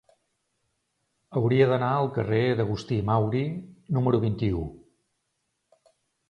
Hauria d'anar al carrer d'Agustí Mauri número vint-i-u.